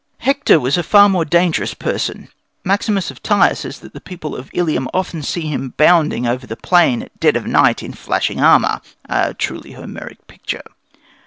Hector was a far more dangerous person. Maximus of Tyre says that the people of Ilium often see him bounding over the plain at dead of night in flashing armour a truly Homeric picture.